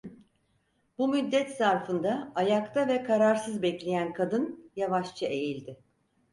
Bu müddet zarfında ayakta ve kararsız bekleyen kadın yavaşça eğildi.